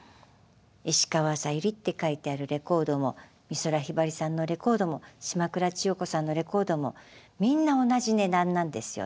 石川さゆりって書いてあるレコードも美空ひばりさんのレコードも島倉千代子さんのレコードもみんな同じ値段なんですよ。